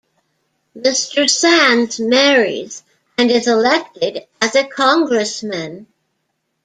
Mr. Sands marries and is elected as a congressman.